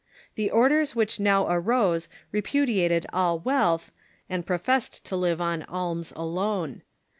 The orders which now ai'ose repudiated all wealth, and professed to live on alms alone.